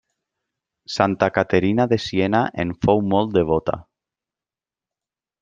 Santa Caterina de Siena en fou molt devota.